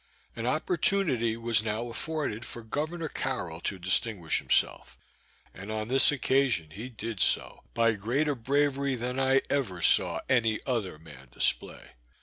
An opportunity was now afforded for Governor Carroll to distinguish himself, and on this occasion he did so, by greater bravery than I ever saw any other man display.